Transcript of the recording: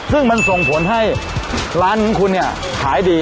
ซึ่งมันส่งผลให้ร้านของคุณเนี่ยขายดี